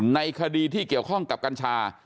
ในคดีที่เกี่ยวข้องกับกัญชา